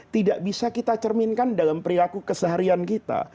tidak bisa kita cerminkan dalam perilaku keseharian kita